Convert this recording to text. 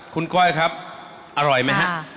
คุณก้อยครับอร่อยไหมฮะ